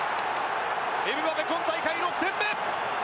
エムバペ、今大会６点目。